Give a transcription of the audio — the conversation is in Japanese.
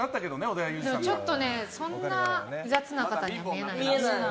ちょっとそんな雑な方には見えないんです。